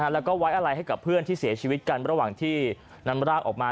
แล้วก็ไว้อะไรให้กับเพื่อนที่เสียชีวิตกันระหว่างที่นำร่างออกมา